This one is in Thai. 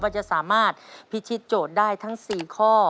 จะสามารถพิชิตโจทย์ได้ทั้ง๔ข้อ